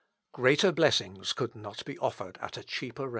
Greater blessings could not be offered at a cheaper rate.